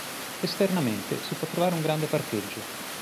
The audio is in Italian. Esternamente si può trovare un grande parcheggio.